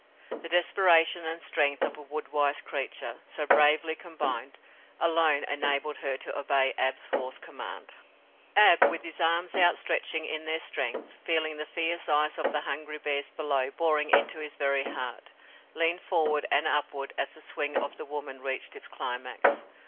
The desperation and strength of a wood wise creature, so bravely combined, alone enabled her to obey Ab's hoarse command. Ab, with his arms outreaching in their strength, feeling the fierce eyes of the hungry bears below boring into his very heart, leaned forward and upward as the swing of the woman reached its climax.